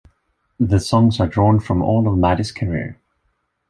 The songs are drawn from all of Maddy's career.